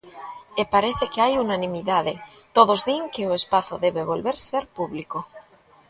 E parece que hai unanimidade: todos din que o espazo debe volver ser público.